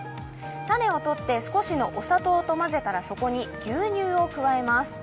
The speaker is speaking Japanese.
種をとって、少しのお砂糖とまぜたらそこに牛乳を加えます。